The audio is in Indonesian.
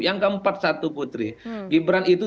yang keempat satu putri gibran itu